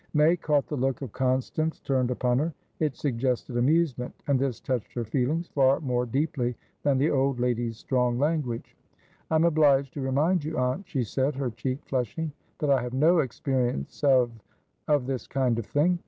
May caught the look of Constance turned upon her; it suggested amusement, and this touched her feelings far more deeply than the old lady's strong language. "I am obliged to remind you, aunt," she said, her cheek flushing, "that I have no experience ofof this kind of thing.